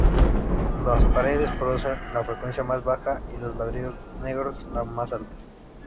Las paredes producen la frecuencia más baja y los ladrillos negros la más alta.